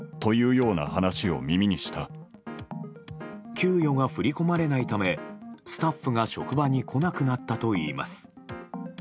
給与が振り込まれないためスタッフが職場に来なくなったといいます。